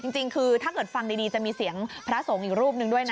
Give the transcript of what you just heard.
จริงคือถ้าเกิดฟังดีจะมีเสียงพระสงฆ์อีกรูปหนึ่งด้วยนะ